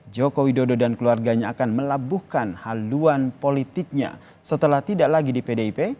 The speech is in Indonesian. joko widodo dan keluarganya akan melabuhkan haluan politiknya setelah tidak lagi di pdip